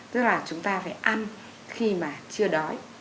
tức là chúng ta phải ăn khi mà chưa đói